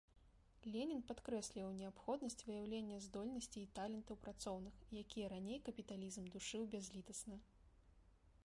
Ленін падкрэсліваў неабходнасць выяўлення здольнасцей і талентаў працоўных, якія раней капіталізм душыў бязлітасна.